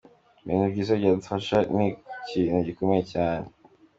Ikintu biza kudufasha ni ikintu gikomeye cyane.